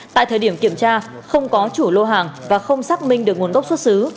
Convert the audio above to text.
tại thời điểm kiểm tra không có chủ lô hàng và không xác minh được nguồn gốc xuất xứ